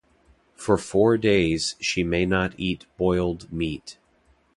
For four days she may not eat boiled meat.